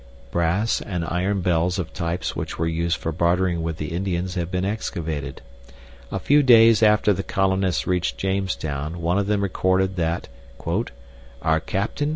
Brass and iron bells of types which were used for bartering with the Indians have been excavated. A few days after the colonists reached Jamestown one of them recorded that "our captaine ...